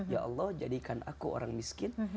ya allah jadikan aku orang miskin